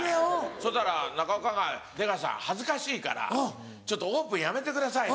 そしたら中岡が「出川さん恥ずかしいからオープンやめてください